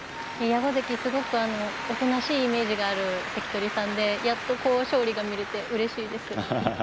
矢後関、すごくおとなしいイメージがある関取さんでやっと勝利が見られてうれしいです。